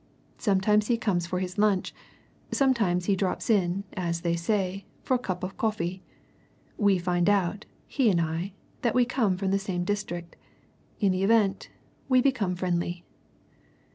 Sometimes he comes for his lunch sometimes he drops in, as they say, for a cup of coffee. We find out, he and I, that we come from the same district. In the event, we become friendly."